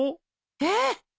えっ！？